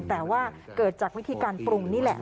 แต่ว่าเกิดจากวิธีการปรุงนี่แหละ